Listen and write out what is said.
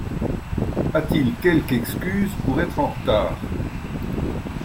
A-t-il quelque excuse pour être en retard ?